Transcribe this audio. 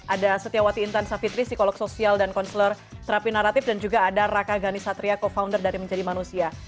ada setiawati intan savitri psikolog sosial dan konselor terapi naratif dan juga ada raka ghani satria co founder dari menjadi manusia